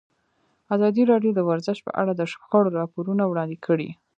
ازادي راډیو د ورزش په اړه د شخړو راپورونه وړاندې کړي.